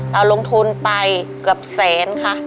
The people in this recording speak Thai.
เราลงทุนไปเกือบแสนค่ะ